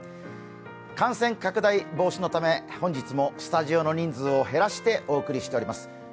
感染拡大防止のため、本日もスタジオの人数を減らしてお送りしております。